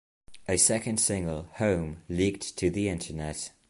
A second single "Home" leaked to the Internet.